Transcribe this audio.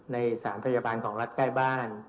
ในสถานพยาบาลของรัฐใกล้บ้าน